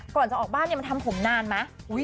ก่อนจะออกบ้านเนี้ยมาทำหนานมาอุ้ย